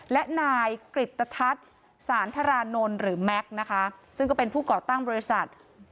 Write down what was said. และนายกริตทัศน์สารธรานนท์หรือแม็กซ์นะคะซึ่งก็เป็นผู้ก่อตั้งบริษัท